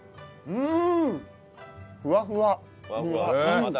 うん。